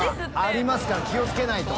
ありますから気をつけないと。